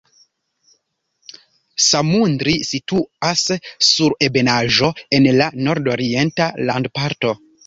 Samundri situas sur ebenaĵo en la nordorienta landparto.